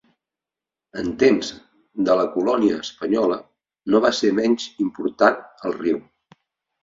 En temps de la Colònia espanyola no va ser menys important al riu.